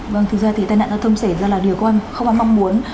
vâng thực ra thì tai nạn giao thông xảy ra là điều không ăn mong muốn